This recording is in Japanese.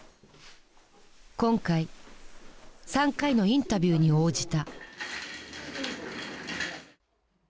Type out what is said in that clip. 今回３回のインタビューに応じた。